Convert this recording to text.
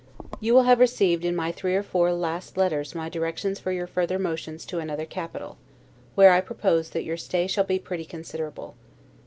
You will have received in my three or four last letters my directions for your further motions to another capital, where I propose that your stay shall be pretty considerable.